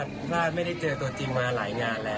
พลาดไม่ได้เจอตัวจริงมาหลายงานแล้ว